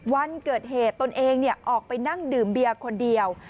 วันเกิดเหตุตนเองออกไปนั่งดื่มเบียร์คนเดียว